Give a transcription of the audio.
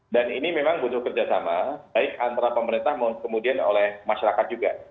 dan ini memang butuh kerjasama baik antara pemerintah kemudian oleh masyarakat juga